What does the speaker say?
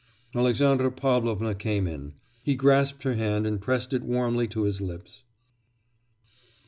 Alexandra Pavlovna came in. He grasped her hand and pressed it warmly to his lips.